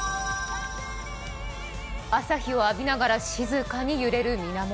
朝日を浴びながら静かに揺れる水面。